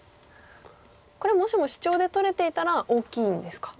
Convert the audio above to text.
これはもしもシチョウで取れていたら大きいんですかやはり。